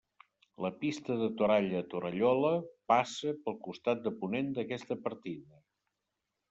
La Pista de Toralla a Torallola passa pel costat de ponent d'aquesta partida.